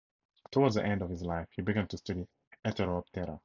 Towards the end of his life he began to study Heteroptera.